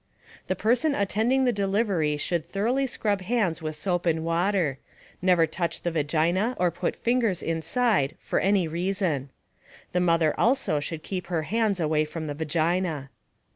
_The person attending the delivery should thoroughly scrub hands with soap and water. Never touch the vagina or put fingers inside for any reason. The mother also should keep her hands away from the vagina.